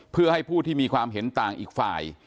เพื่อให้ผู้ที่มีความเห็นต่างอีกฝ่าย